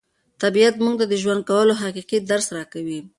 طبیعت موږ ته د ژوند کولو حقیقي درس راکوي.